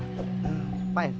iya pak rt silakan